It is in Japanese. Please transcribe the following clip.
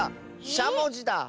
しゃもじだ。